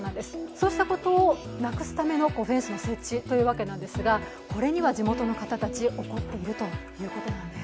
そうしたことをなくすためのフェンスの設置ということなんですがこれには地元の方たち、怒っているということなんです。